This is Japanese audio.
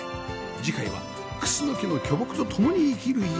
次回はクスノキの巨木と共に生きる家